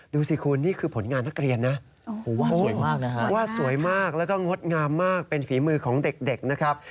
ดูสิคุณนี่คือผลงานนักเรียนน่ะ